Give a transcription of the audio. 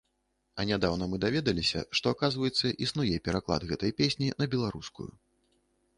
А нядаўна мы даведаліся, што, аказваецца, існуе пераклад гэтай песні на беларускую.